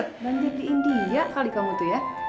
berhenti di india kali kamu tuh ya